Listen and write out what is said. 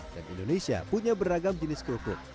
dan indonesia punya beragam jenis kerupuk